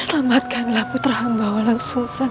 selamatkanlah putra mbak wulang sungsan